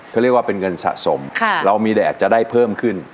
เขาเรียกว่าเป็นเงินสะสมเรามีแดดจะได้เพิ่มขึ้น